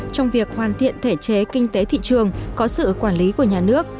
trong việc hoàn thiện thể chế kinh tế thị trường có sự quản lý của nhà nước